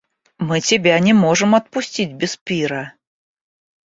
Мы тебя не можем отпустить без пира.